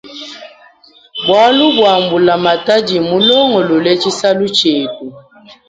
Bwalu bwa mbula matadi mulongolole tshisalu tshietu.